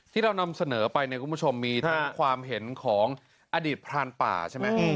ที่เรานำเสนอไปในคุณผู้ชมมีความเห็นของอดิษฐ์พรานป่าใช่ไหม